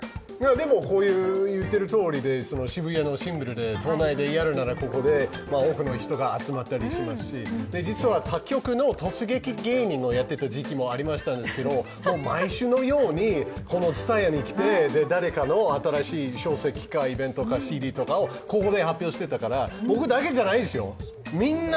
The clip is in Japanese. でも、こういういっているとおりで渋谷のシンボルで、都内でやるならここでここで多くの人が集まったりしますし、実は他局の突撃芸人をやっていた時期もありましたが、毎週のように、このＴＳＵＴＡＹＡに来て誰かの書籍かイベントかＣＤとか発表してたから僕だけじゃないんですよ。